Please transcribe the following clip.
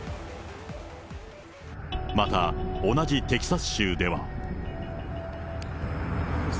また、同じテキサス州では。